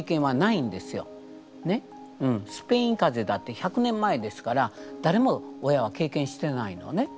スペインかぜだって１００年前ですから誰も親は経験してないのね。